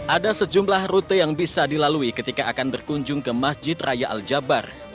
ada sejumlah rute yang bisa dilalui ketika akan berkunjung ke masjid raya al jabbar